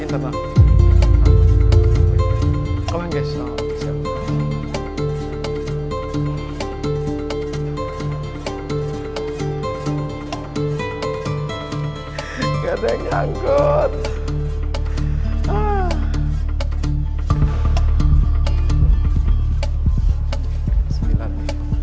tidak ada yang mengangkut